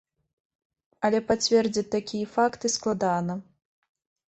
Але пацвердзіць такія факты складана.